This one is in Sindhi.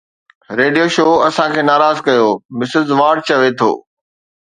ريڊيو شو اسان کي ناراض ڪيو، مسز وارڊ چوي ٿو